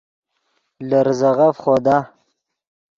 لے ریزے غف خودا